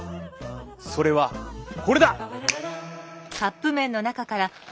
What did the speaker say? それはこれだ！